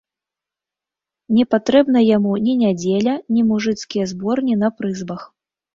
Не патрэбна яму ні нядзеля, ні мужыцкія зборні на прызбах.